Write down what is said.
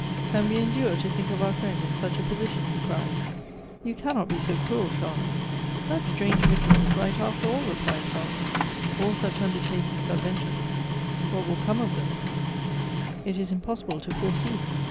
" Can we endure to think of our friend in such a posi tion ?" he cried ;" you cannot be so cruel, Charlotte." " That strange Mittler is right after all," replied Charlotte ;" all such undertakings are ventures ; what will come of them it is impossible to foresee.